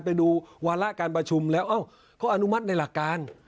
ไปดูวาระการประชุมแล้วเขาอนุมัติในหลักการ